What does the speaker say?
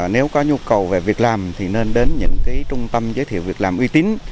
nếu có nhu cầu về việc làm thì nên đến những trung tâm giới thiệu việc làm uy tín